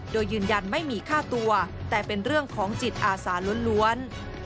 โดยยืนยันไม่มีค่าตัวแต่เป็นเรื่องของจิตอาสาล้วน